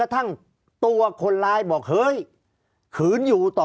ภารกิจสรรค์ภารกิจสรรค์